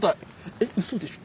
えっうそでしょ。